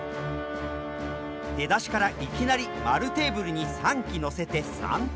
出だしからいきなり丸テーブルに３機乗せて３点。